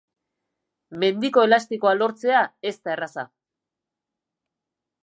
Mendiko elastikoa lortzea ez da erraza.